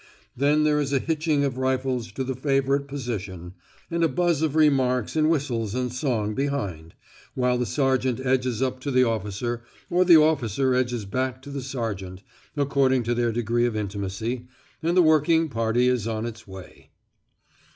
Then there is a hitching of rifles to the favourite position, and a buzz of remarks and whistles and song behind, while the sergeant edges up to the officer or the officer edges back to the sergeant, according to their degree of intimacy, and the working party is on its way.